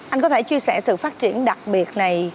anh có thể chia sẻ sự phát triển đặc biệt này